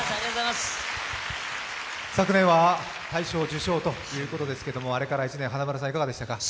昨年は大賞受賞ということですけれども、あれから１年、花村さんいかがですか？